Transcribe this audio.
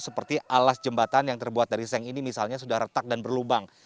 seperti alas jembatan yang terbuat dari seng ini misalnya sudah retak dan berlubang